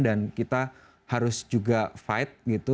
dan kita harus juga fight gitu